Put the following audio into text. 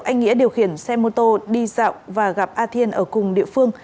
anh nghĩa điều khiển xe mô tô đi dạo và gặp a thiên ở cùng địa phương